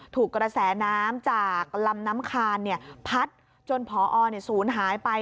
ถูกกระแสน้ำจากลำน้ำคานพัดจนพอศูนย์หายไป